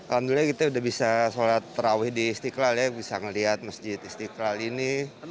alhamdulillah kita sudah bisa sholat terawih di istiqlal ya bisa melihat masjid istiqlal ini